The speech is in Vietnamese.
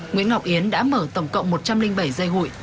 nguyễn ngọc yến đã mở tổng cộng một trăm linh bảy dây hụi